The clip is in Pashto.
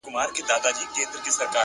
چي ته به يې په کومو صحفو- قتل روا کي-